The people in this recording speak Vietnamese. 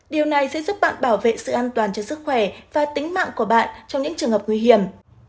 điều này sẽ giúp bạn bảo vệ sự an toàn cho sức khỏe và tính mạng của bạn trong những trường hợp nguy hiểm